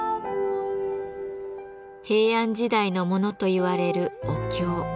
平安時代のものといわれるお経。